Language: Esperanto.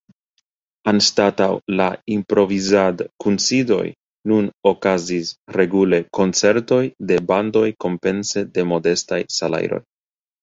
Anstataŭ la improvizad-kunsidoj nun okazis regule koncertoj de bandoj kompense de modestaj salajroj.